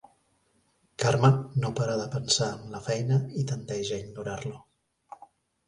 Carme no para de pensar en la feina i tendeix a ignorar-lo.